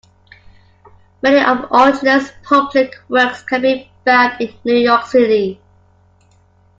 Many of Otterness's public works can be found in New York City.